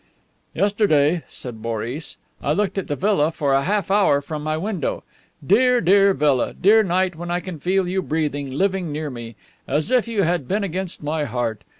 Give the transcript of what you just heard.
"Yesterday," said Boris, "I looked at the villa for a half hour from my window. Dear, dear villa, dear night when I can feel you breathing, living near me. As if you had been against my heart.